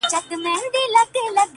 • په لكونو وه راغلي عالمونه,